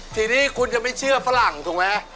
ทีนี้คุณจะไม่เชื่อฝรั่งถูกไหม